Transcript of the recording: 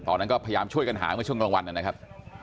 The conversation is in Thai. ตอนนั้นก็พยายามช่วยกันหาเมื่อช่วงกลางวันนะครับ